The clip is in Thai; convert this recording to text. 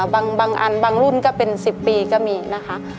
บางอันบางรุ่นก็เป็น๑๐ปีก็มีนะคะ